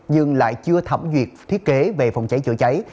nhưng lại chưa thẩm duyệt thiết kế về phòng cháy chữa cháy